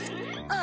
あ。